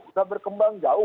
sudah berkembang jauh